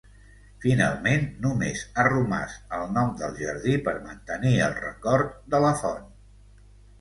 Finalment, només ha romàs el nom del jardí per mantenir el record de la font.